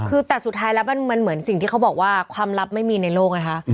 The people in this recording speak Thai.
คือแต่สุดท้ายแล้วมันเหมือนสิ่งที่เขาบอกว่าความลับไม่มีในโลกไงคะ